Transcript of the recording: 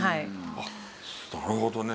あっなるほどね